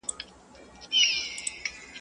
د مارگير مرگ د ماره وي.